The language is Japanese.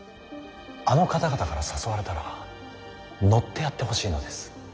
あの方々から誘われたら乗ってやってほしいのです。